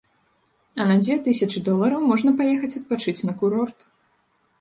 А на дзве тысячы долараў можна паехаць адпачыць на курорт.